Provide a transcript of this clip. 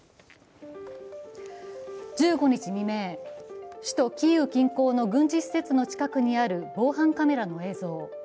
１５日未明、首都キーウ近郊の軍事施設の近くにある防犯カメラの映像。